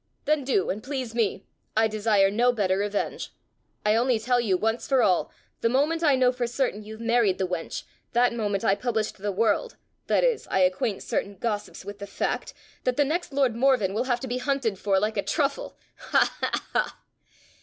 Then do, and please me: I desire no better revenge! I only tell you once for all, the moment I know for certain you've married the wench, that moment I publish to the world that is, I acquaint certain gossips with the fact, that the next lord Morven will have to be hunted for like a truffle ha! ha! ha!"